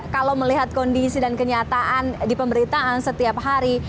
kalau melihat kondisi dan kenyataan di pemberitaan setiap hari